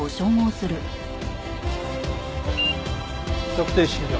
測定終了。